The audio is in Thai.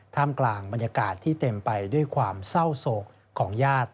กลางบรรยากาศที่เต็มไปด้วยความเศร้าโศกของญาติ